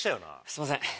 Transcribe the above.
すいません。